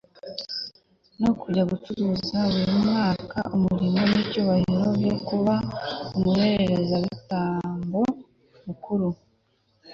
no kujya acuruza buri mwaka umurimo n'icyubahiro byo kuba umuherezabitambo mukuru